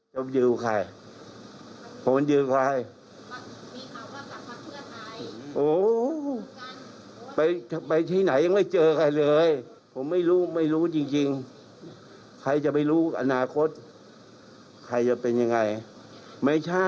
เราไม่รู้จริงใครจะไม่รู้อนาคตใครจะเป็นยังไงไม่ใช่